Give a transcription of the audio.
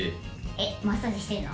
えっマッサージしてるの？